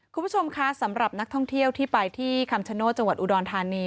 คุณผู้ชมคะสำหรับนักท่องเที่ยวที่ไปที่คำชโนธจังหวัดอุดรธานี